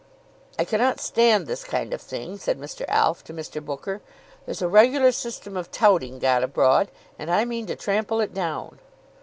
"I cannot stand this kind of thing," said Mr. Alf, to Mr. Booker. "There's a regular system of touting got abroad, and I mean to trample it down."